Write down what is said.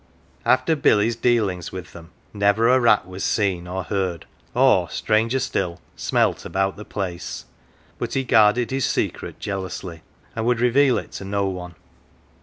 After Billy's dealings with them never a rat was seen, or heard, or, stranger still, smelt about the place. But he guarded his secret jealously, and would reveal it to no one.